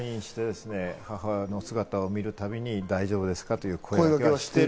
母親の姿を見るたびに大丈夫ですかと声かけはしている。